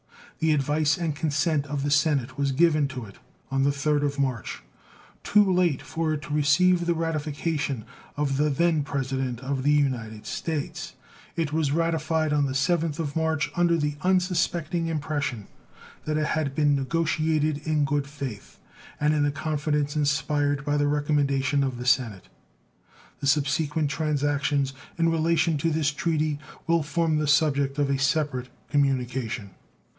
The advice and consent of the Senate was given to it on the 3d of March, too late for it to receive the ratification of the then President of the United States; it was ratified on the 7th of March, under the unsuspecting impression that it had been negotiated in good faith and in the confidence inspired by the recommendation of the Senate. The subsequent transactions in relation to this treaty will form the subject of a separate communication.